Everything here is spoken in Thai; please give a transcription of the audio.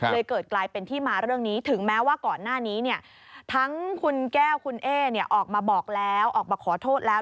เลยเกิดกลายเป็นที่มาเรื่องนี้ถึงแม้ว่าก่อนหน้านี้ทั้งคุณแก้วคุณเอ๊ออกมาบอกแล้วออกมาขอโทษแล้ว